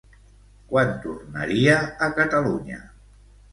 Quan tornaria a Catalunya?